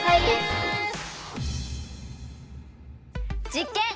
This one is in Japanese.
実験！